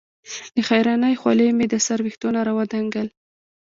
د حېرانۍ خولې مې د سر وېښتو نه راودنګل